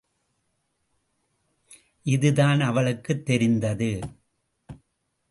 இதுதான் அவளுக்குத் தெரிந்தது.